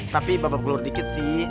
tapi babak belur dikit sih